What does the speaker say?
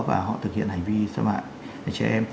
và họ thực hiện hành vi xâm hại trẻ em